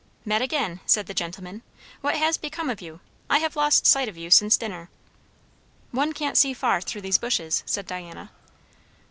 "Met again," said the gentleman. "What has become of you? I have lost sight of you since dinner." "One can't see far through these bushes," said Diana.